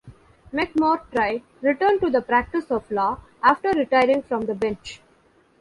McMurtry returned to the practice of law after retiring from the bench.